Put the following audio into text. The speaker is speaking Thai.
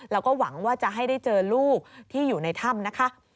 แล้วก็หวังว่าจะให้ได้เจอลูกที่อยู่ในถ้ำนะคะ